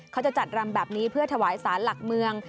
เขาจะจัดรำแบบนี้เพื่อถวายสารหลักเมือง